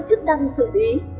bị chức năng xử lý